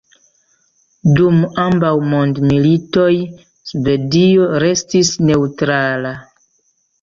Dum ambaŭ mondmilitoj Svedio restis neŭtrala.